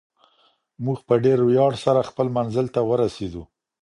موږ په ډېر ویاړ سره خپل منزل ته ورسېدو.